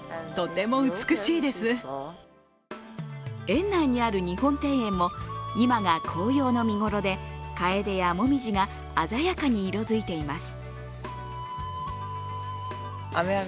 園内にある日本庭園も今が紅葉の見頃でかえでやもみじが鮮やかに色づいています。